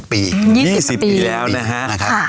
๒๐ปีแล้วนะครับ